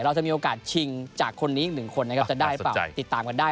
เราจะมีโอกาสชิงจากคนนี้อีกหนึ่งคนนะครับจะได้เปล่าติดตามกันได้